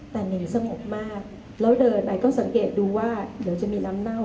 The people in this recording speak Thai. แต่หนีสงบมากแล้วเดินไอก็สังเกตดูว่าเดี๋ยวจะมีน้ำเน่า